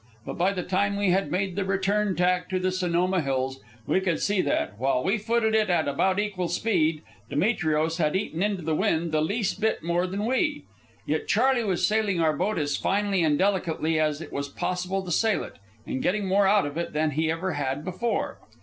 But by the time we had made the return tack to the Sonoma Hills, we could see that, while we footed it at about equal speed, Demetrios had eaten into the wind the least bit more than we. Yet Charley was sailing our boat as finely and delicately as it was possible to sail it, and getting more out of it than he ever had before.